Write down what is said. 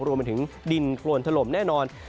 รวมไปถึงดินโครนถล่มแน่นอน